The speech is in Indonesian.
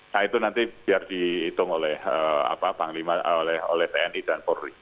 nah itu nanti biar dihitung oleh tni dan polri